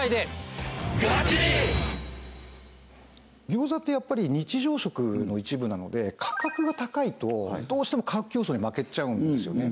餃子ってやっぱり日常食の一部なので価格が高いとどうしても価格競争に負けちゃうんですよね